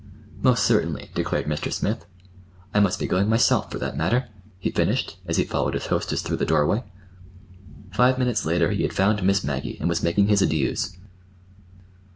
"Most certainly," declared Mr. Smith. "I must be going myself, for that matter," he finished, as he followed his hostess through the doorway. Five minutes later he had found Miss Maggie, and was making his adieus.